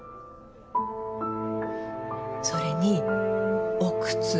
それにお靴。